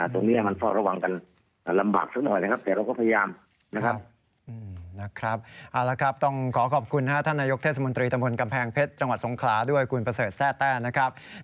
ที่ภายในตัวนี้หรือไม่มีอย่างไรครับ